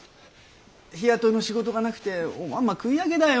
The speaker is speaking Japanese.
日雇いの仕事がなくておまんま食い上げだよ。